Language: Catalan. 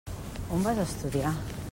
On vas estudiar?